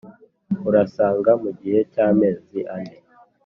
urasanga mu gihe cy’amezi ane